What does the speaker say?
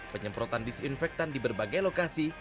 penyemprotan disinfektan di berbagai lokasi